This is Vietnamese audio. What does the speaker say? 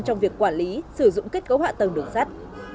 trong việc quản lý sử dụng kết cấu hạ tầng đường sắt